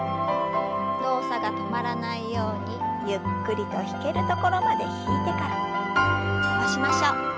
動作が止まらないようにゆっくりと引けるところまで引いてから伸ばしましょう。